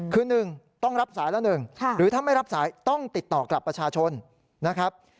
คือ๑ต้องรับสายละ๑หรือถ้าไม่รับสายต้องติดต่อกลับประชาชนนะครับ